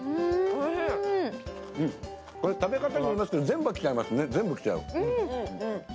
食べ方によりますけど全部きちゃいますね。